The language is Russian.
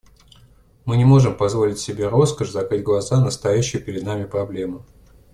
Мы не можем позволить себе роскошь закрыть глаза на стоящую перед нами проблему.